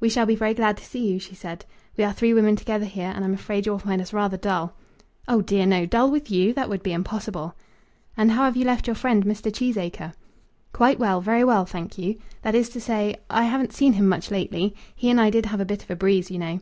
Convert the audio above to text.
"We shall be very glad to see you," she said. "We are three women together here, and I'm afraid you will find us rather dull." "Oh dear, no, dull with you! That would be impossible!" "And how have you left your friend, Mr. Cheesacre?" "Quite well; very well, thank you. That is to say, I haven't seen him much lately. He and I did have a bit of a breeze, you know."